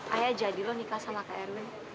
ayah jadi loh nikah sama kak erwin